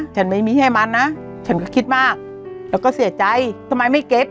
ฉันไม่มีให้มันนะฉันก็คิดมากแล้วก็เสียใจทำไมไม่เก็บ